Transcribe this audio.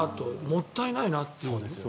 もったいないなっていう。